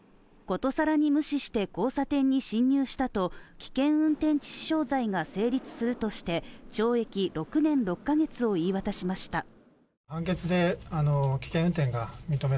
殊更に無視して交差点に進入したと危険運転致死傷罪が成立するとして懲役６年６カ月を言い渡しました。